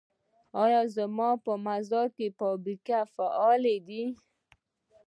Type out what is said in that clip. آیا په مزار کې فابریکې فعالې دي؟